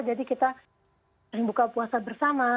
jadi kita sering buka puasa bersama